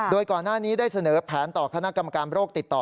โดยก่อนหน้านี้ได้เสนอแผนต่อคณะกรรมการโรคติดต่อ